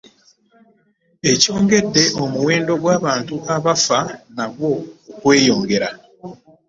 Ekyongedde omuwendo gw'abantu abafa nagwo okweyongera